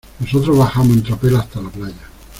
nosotros bajamos en tropel hasta la playa.